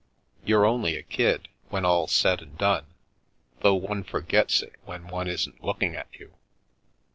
You're only a kid, when all's said and done, though one forgets it when one isn't looking at you.